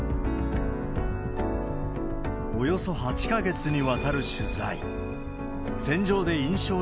およそ８か月にわたる取材。